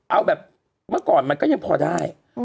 เอาแบบเมื่อก่อนก็พอได้